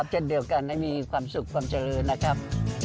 จะเจอกันให้มีความสุขความเจริญนะครับ